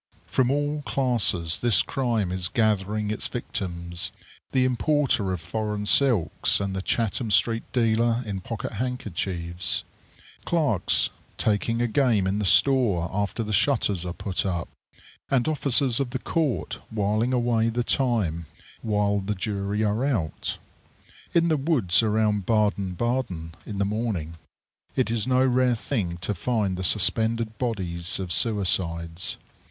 From all classes this crime is gathering its victims: the importer of foreign silks, and the Chatham street dealer in pocket handkerchiefs; clerks taking a game in the store after the shutters are put up; and officers of the court whiling away the time while the jury are out. In the woods around Baden Baden, in the morning, it is no rare thing to find the suspended bodies of suicides.